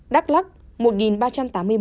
đắk lắc một ba trăm tám mươi một